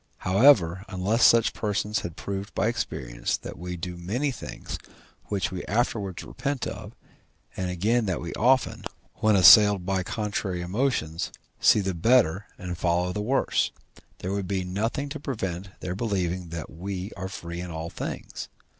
However, unless such persons had proved by experience that we do many things which we afterwards repent of, and again that we often, when assailed by contrary emotions, see the better and follow the worse, there would be nothing to prevent their believing that we are free in all things.